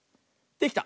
できた！